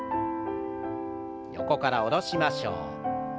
横から下ろしましょう。